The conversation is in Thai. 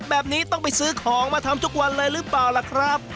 แบบนี้ต้องไปซื้อของมาทำทุกวันเลยหรือเปล่าล่ะครับ